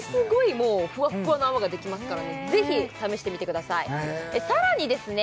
もうふわっふわな泡ができますからねぜひ試してみてくださいさらにですね